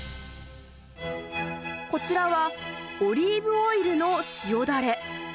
こちらは、オリーブオイルの塩だれ。